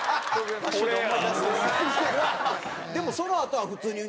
でもそのあとは普通にね。